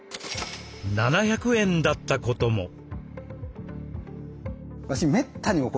７００円だったことも。